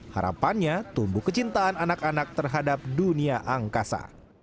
harapannya tumbuh kecintaan anak anak terhadap dunia angkasa